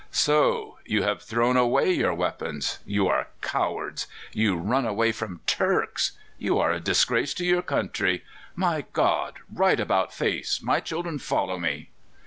"So you have thrown away your weapons! You are cowards! You run away from Turks! You are a disgrace to your country! My God! Right about face! My children, follow me!"